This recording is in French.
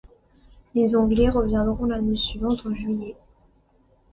Les Anglais reviendront l’année suivante en juillet.